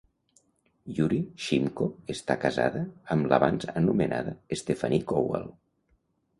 Yuri Shymko està casada amb l'abans anomenada Stephanie Kowal.